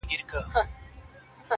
o د پخلا دښمنه ځان ساته.